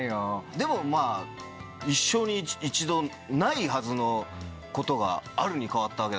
でも一生に一度ないはずのことがあるに変わったわけだから。